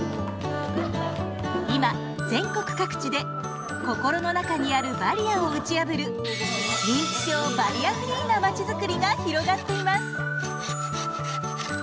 今全国各地で心の中にあるバリアを打ち破る認知症バリアフリーなまちづくりが広がっています。